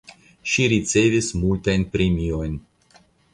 Ŝi ricevis multajn premiojn.